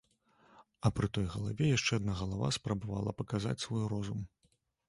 А пры той галаве яшчэ адна галава спрабавала паказаць свой розум.